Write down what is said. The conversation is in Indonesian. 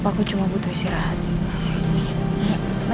aku cuma butuh istirahat